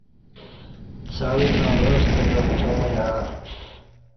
څݣ اوعستوک امکیاں یعݩہ